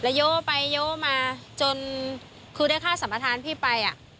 แล้วย้วไปย้วมาจนคือได้ค่าสัมภาษณ์พี่ไป